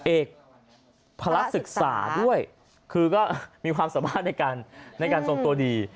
เอกภาระศึกษาด้วยคือก็มีความสามารถในการทรงตัวดี